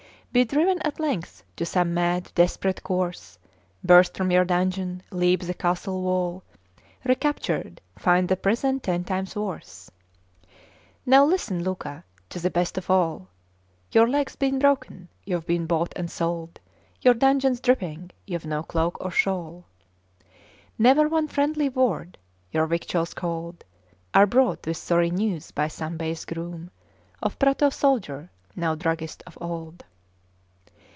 ' 'Be driven at length to some mad desperate course; Burst from your dungeon, leap the castle wall; Recaptured, find the prison ten times worse. ' 'Now listen, Luca, to the best of all! Your leg's been broken; you've been bought and sold; Your dungeon's dripping; you've no cloak or shawl. Never one friendly word; your victuals cold '' Are brought with sorry news by some base groom Of Prato soldier now druggist of old.